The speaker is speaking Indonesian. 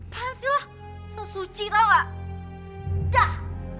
hah apaan sih lo so suci tau nggak dah